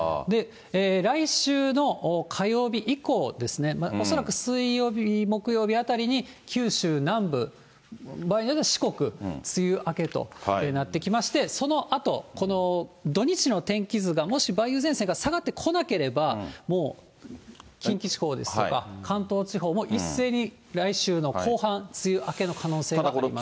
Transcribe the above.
来週の火曜日以降ですね、恐らく水曜日、木曜日あたりに九州南部、場合によっては四国、梅雨明けとなってきまして、そのあと、この土日の天気図がもし梅雨前線が下がってこなければ、もう近畿地方ですとか、関東地方も一斉に来週の後半、梅雨明けの可能性があります。